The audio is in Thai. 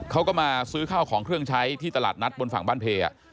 เขาก็มาซื้อข้าวของเครื่องใช้ที่ตลาดนัดบนฝั่งบ้านเพ